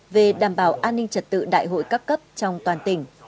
về đảm bảo an ninh trật tự đại hội các cấp trong toàn tỉnh